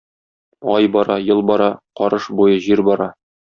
Ай бара, ел бара, карыш буе җир бара.